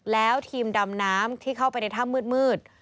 แล้วทีมดำน้ำที่เข้าไปในถ้ำมืด